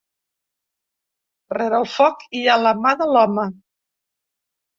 Rere el foc hi ha la mà de l’home.